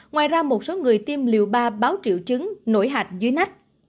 ngoài ra một số người tiêm liều ba báo triệu chứng nổi hạch dưới nách